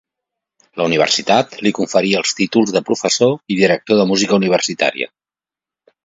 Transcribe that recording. La Universitat li conferí els títols de professor i director de música universitària.